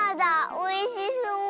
おいしそう！